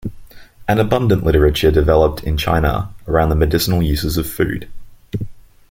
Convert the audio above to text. An abundant literature developed in China around the medicinal uses of food.